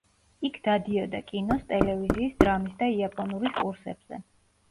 იქ დადიოდა კინოს, ტელევიზიის, დრამის და იაპონურის კურსებზე.